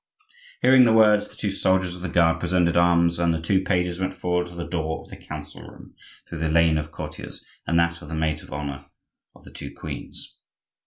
Hearing the words, the two soldiers of the guard presented arms, and the two pages went forward to the door of the Council room through the lane of courtiers and that of the maids of honor of the two queens.